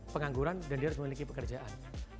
pengangguran dan dia harus memiliki pekerjaan